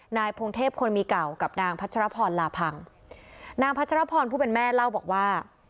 พงเทพคนมีเก่ากับนางพัชรพรลาพังนางพัชรพรผู้เป็นแม่เล่าบอกว่า